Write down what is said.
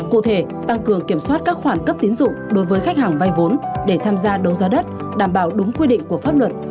cụ thể tăng cường kiểm soát các khoản cấp tín dụng đối với khách hàng vay vốn để tham gia đấu giá đất đảm bảo đúng quy định của pháp luật